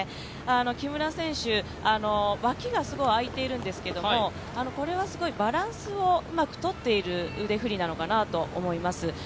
木村選手、脇がすごく開いているんですけれども、バランスをうまくとっている腕振りなのかなと思います。